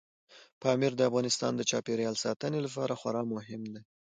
پامیر د افغانستان د چاپیریال ساتنې لپاره خورا مهم دی.